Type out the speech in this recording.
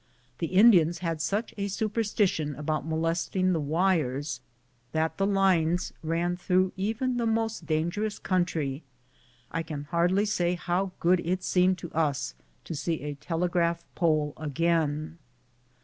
The Indians had such a superstition about molesting the wires, that the lines ran through even the most dangerous country. I can hardly say how good it seemed to us to see a telegraph pole again.